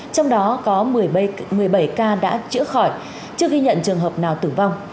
trong đó có một mươi bảy ca đã chữa khỏi chưa ghi nhận trường hợp nào tử vong